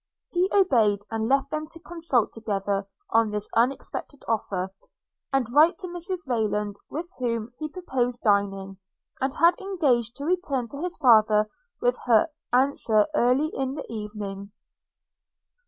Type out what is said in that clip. – He obeyed; and left them to consult together on this unexpected offer, and write to Mrs Rayland, with whom he proposed dining, and had engaged to return to his father with her answer early in the evening.